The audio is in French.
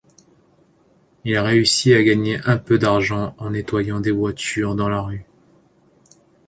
Il réussit à gagner un peu d'argent en nettoyant des voitures dans la rue.